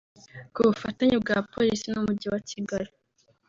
Ku bufatanye bwa Polisi n’Umujyi wa Kigali